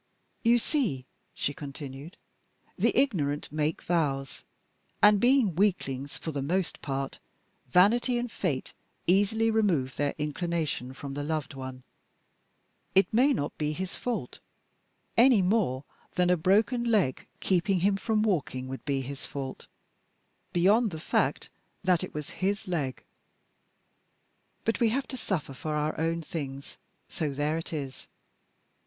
"You see," she continued, "the ignorant make vows, and being weaklings for the most part vanity and fate easily remove their inclination from the loved one; it may not be his fault any more than a broken leg keeping him from walking would be his fault, beyond the fact that it was his leg; but we have to suffer for our own things so there it is.